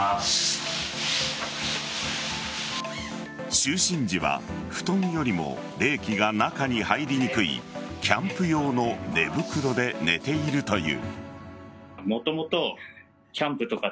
就寝時は布団よりも冷気が中に入りにくいキャンプ用の寝袋で寝ているという。